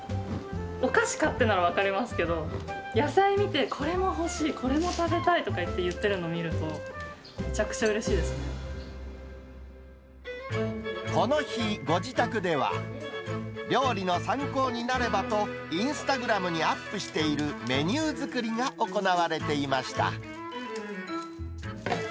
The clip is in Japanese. お菓子買ってなら分かりますけど、野菜見て、これも欲しい、これも食べたいとかって言ってるのを見ると、めちゃくちゃうれしいですこの日、ご自宅では、料理の参考になればと、インスタグラムにアップしているメニュー作りが行われていました。